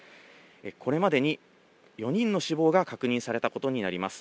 これまでに４人の死亡が確認されたことになります。